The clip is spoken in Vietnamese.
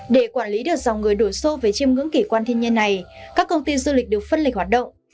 để quản lý được dòng người đổ xô về chiêm ngưỡng kỷ quan thiên nhiên này các công ty du lịch được phân lịch hoạt động